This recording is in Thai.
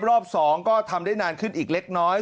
รอบ๒ก็ทำได้นานขึ้นอีกเล็กน้อย